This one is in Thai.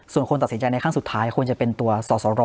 ส่วนคนตัดสินใจในครั้งสุดท้ายควรจะเป็นตัวสอสร